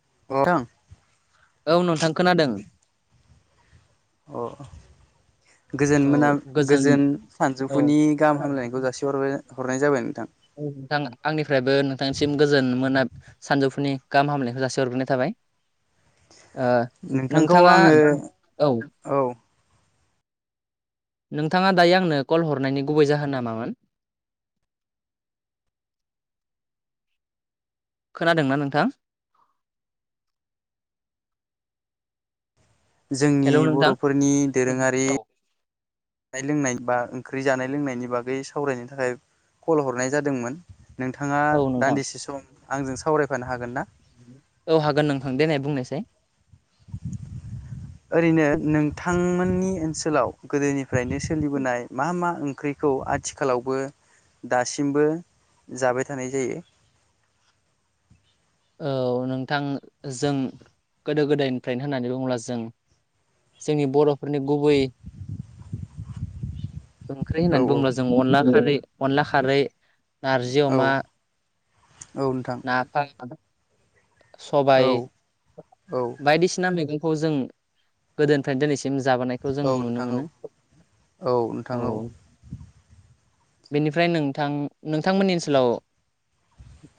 [unintelligible] औ नोंथां खोनादों। अ। गोजोन मोना गोजोन औ सानजौफुनि गाहाम हामलायनायखौ जासिहर हरनाय जाबाय नोंथां। [unintelligible] आंनिफ्रायबो नोंथांनिसिम गोजोन मोना सानजौफुनि गाहाम हामलायखौ जासि हरग्रोनाय थाबाय। ओ नोंथांखौ नोंथाङा आङो औ औ नोंथाङा दायो आंनो कल हरनायनि गुबै जाहोना मामोन? खोनादोंना नोंथां। जोंनि हेलौ नोंथां बर'फोरनि दोरोङारि। औ जानाय लोंनाय बा ओंख्रि जानाय लोंनायनि बागै सावरायनो थाखाय कल हरनाय जादोंमोन। नोंथाङा औ नोंथां दान्दिसे सम आंजों सावरायफानो हागोन ना। औ हागोन नोंथां देनाय बुंनायसाय। ओरैनो नोंथांमोननि ओनसोलाव गोदोनि फ्रायनो सोलिबोनाय मा मा ओं ख्रिखौ आथिखालावबो दासिमबो जाबाय थानाय जायो। औ नोंथां जों गोदो गोदायनिफ्रायनो होननानै बुङोब्ला जों जोंनि बर'फोरनि गुबै ओंख्रि औ होननानै औ बुङोब्ला जों अनला खारै अनला खारै नारजि औ अमा। औ नोंथां नाफाम। औ सबाय औ बायदिसिना मैगंखौ जों गोदोनिफ्रायनो दिनैसिम जाबोनायखौ जों औ नुनो नोंथां औ मोनो औ। बेनिफ्राय नोंथां नोंथांमोननि ओनसोलाव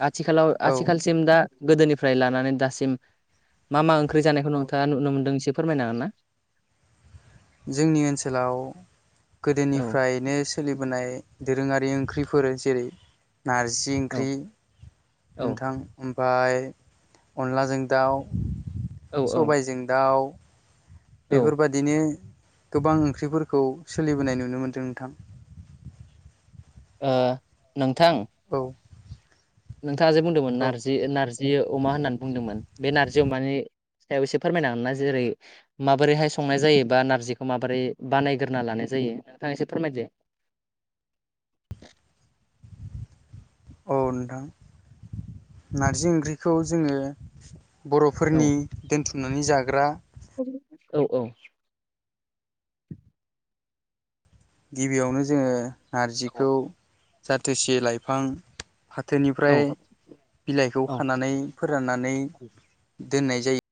आथिखालाव औ आथिखालसिम दा गोदोनिफ्राय लानानै दासिम मा मा। ओंख्रि जानायखौ औ नोंथाङा नुनो मोनदों एसे फोरमायनो हागोन ना? जोंनि ओनसोलाव औ गोदोनिफ्रायनो सोलिबोनाय। दोरोङारि ओंख्रिफोर जेरै नारजि औ ओंख्रि नोंथां उम। ओमफाय अनलाजों दाउ औ सबायजों दाउ। औ बेफोर बादिनो। गोबां ओंख्रिफोरखौ सोलिबोनाय नुनो मोन्दों नोंथां। ओ नों औ। नोंथाङा जे बुंदोंमोन औ नारजि नारजि अमा होननानै बुंदोंमोन बे नारजि अमानि सायाव एसे फोरमायनो हागोन ना जेरै माबोरैहाय संनाय जायो बा नारजिखौ माबोरै बानायग्रोना लानाय जायो। जायो नोंथांङा एसे फोरमायदो [inaudible] औ नोंथां नारजि ओंख्रिखौ जोङो औ बर'फोरनि दोनथुमनानै जाग्रा औ औ [inaudible] गिबियावनो जोङो नारजिखौ औ जाथोसि लाइफां फाथोनिफ्राय औ बिलाइखौ औ खानानै फोराननानै दोननाय जायो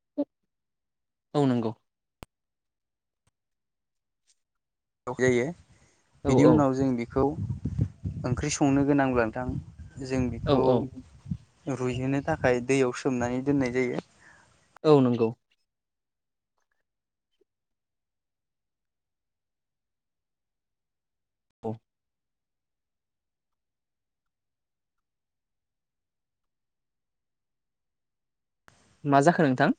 औ नंगौ जायो औ बिनि औ उनाव जों बे खौ ओंख्रि संनो गोनांब्ला नोंथां जों औ बिखौ औ रुइहोनो थाखाय दैयाव सोमनानै दोननाय जायो औ नंगौ औ मा जाखो नोंथां?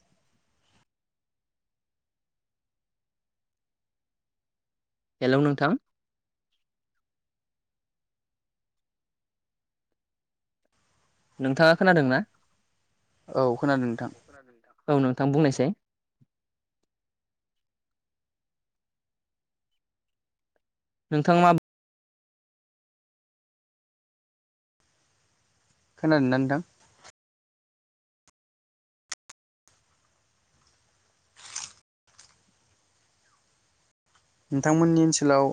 हेलौ नोंथां नोंथाङा खोनादोंना? औ खोनादों। नोंथां औ नोंथां बुंनायसाय नोंथां मा खोनादोंना नोंथां? नोंथांमोननि ओनसोलाव